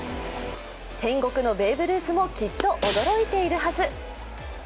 天国のベーブ・ルースもきっと驚いているはず。